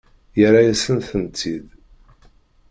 Yerra-yasent-ten-id.